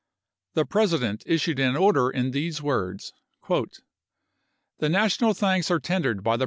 The President issued an order in these words :" The national thanks are tendered by the Vol.